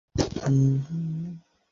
জয়, মা আমাদের ডাকতেছে!